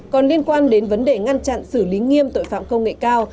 còn liên quan đến vấn đề ngăn chặn xử lý nghiêm tội phạm công nghệ cao